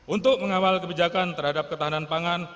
untuk mengawal kebijakan terhadap ketahanan pangan